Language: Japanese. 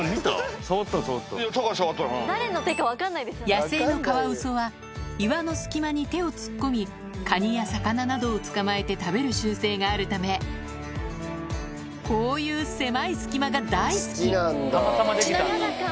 野生のカワウソは岩の隙間に手を突っ込みカニや魚などを捕まえて食べる習性があるためこういう狭い隙間が大好きちなみに見た？